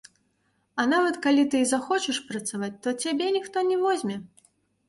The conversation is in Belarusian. А нават калі ты і захочаш працаваць, то цябе ніхто не возьме.